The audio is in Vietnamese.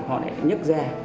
họ lại nhấc ra